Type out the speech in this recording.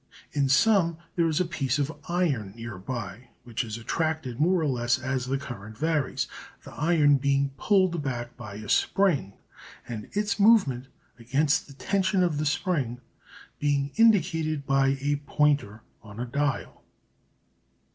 In some there is a piece of iron near by, which is attracted more or less as the current varies, the iron being pulled back by a spring and its movement against the tension of the spring being indicated by a pointer on a dial.